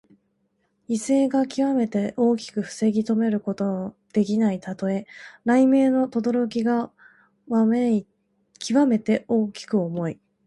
威勢がきわめて大きく防ぎとめることのできないたとえ。雷鳴のとどろきがきわめて大きく重い。